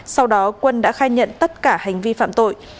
sau đó quân đã khai nhận tất cả hành vi phạm tội